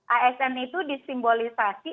asn itu disimbolisasi